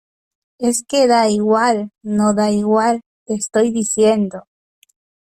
es que da igual. no da igual . te estoy diciendo